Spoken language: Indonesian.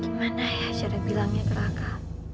gimana ya share bilangnya ke raka